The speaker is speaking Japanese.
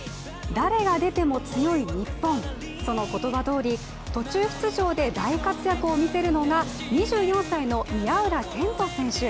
誰が出ても強い日本、その言葉どおり途中出場で大活躍をみせるのが２４歳の宮浦健人選手。